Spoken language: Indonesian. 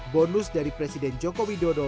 bonus dari presiden joko widodo